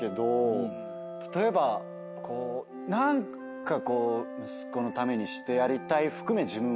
例えばこう何かこう息子のためにしてやりたい含め。